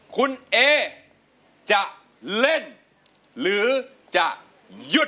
คุณเอจะเล่นหรือจะหยุด